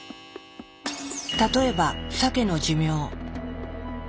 例えばサケの寿命。